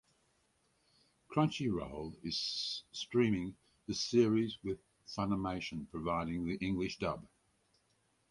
Crunchyroll is streaming the series with Funimation providing the English dub.